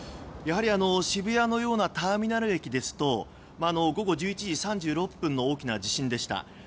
やはり渋谷のようなターミナル駅ですと午後１１時３６分の大きな地震でした。